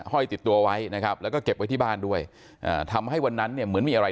ห้อยติดตัวไว้นะครับแล้วก็เก็บไว้ที่บ้านด้วยอ่าทำให้วันนั้นเนี่ยเหมือนมีอะไร